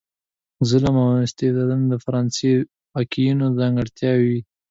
ظلم او استبداد د فرانسې د واکمنیو ځانګړتیاوې وې.